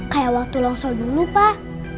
kayak waktu longsor dulu pak